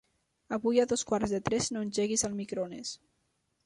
Avui a dos quarts de tres no engeguis el microones.